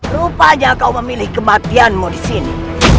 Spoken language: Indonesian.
rupanya kau memilih kematianmu disini